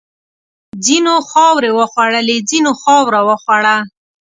ځینو خاورې وخوړلې، ځینو خاوره وخوړه.